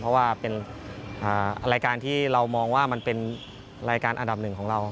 เพราะว่าเป็นรายการที่เรามองว่ามันเป็นรายการอันดับหนึ่งของเรา